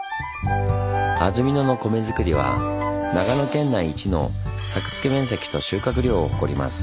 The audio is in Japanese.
安曇野の米づくりは長野県内一の作付面積と収穫量を誇ります。